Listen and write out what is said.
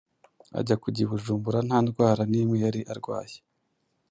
ajya kujya i Bujumbura nta ndwara n’imwe yari arwaye.